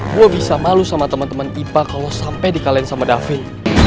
gue bisa malu sama temen temen ipa kalo sampe dikalahin sama davin